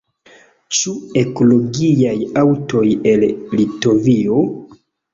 Ĉu ekologiaj aŭtoj el Litovio?